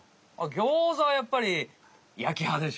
ギョーザはやっぱりやき派でしょ。